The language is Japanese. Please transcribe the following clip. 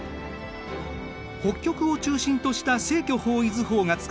北極を中心とした正距方位図法が使われているんだ。